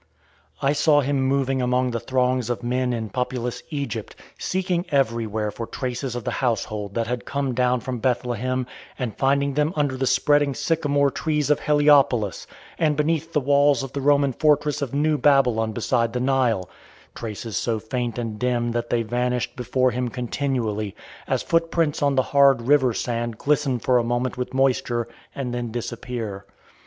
I saw him moving among the throngs of men in populous Egypt, seeking everywhere for traces of the household that had come down from Bethlehem, and finding them under the spreading sycamore trees of Heliopolis, and beneath the walls of the Roman fortress of New Babylon beside the Nile traces so faint and dim that they vanished before him continually, as footprints on the hard river sand glisten for a moment with moisture and then disappear.